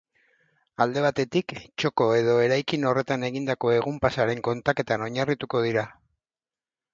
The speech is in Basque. Alde batetik, txoko edo eraikin horretan egindako egun-pasaren kontaketan oinarrituko dira.